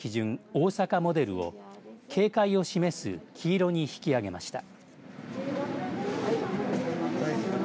大阪モデルを警戒を示す黄色に引き上げました。